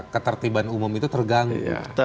ketertiban umum itu terganggu